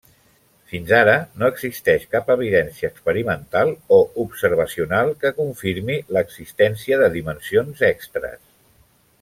Fins ara, no existeix cap evidència experimental o observacional que confirmi l'existència de dimensions extres.